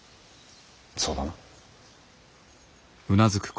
そうだな。